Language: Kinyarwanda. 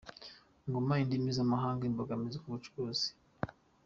Ngoma Indimi z’amahanga, imbogamizi ku bucuruzi